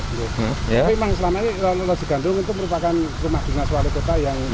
tapi memang selama ini lokasi gandum itu merupakan rumah dinas wali kota yang